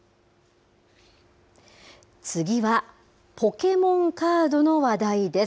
次は、ポケモンカードの話題です。